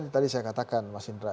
tadi saya katakan mas indra